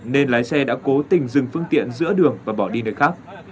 nên lái xe đã cố tình dừng phương tiện giữa đường và bỏ đi nơi khác